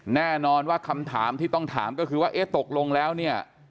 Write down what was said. แน่นอนว่าคำถามที่ต้องถามก็คือว่าเอ๊ะตกลงแล้วเนี่ย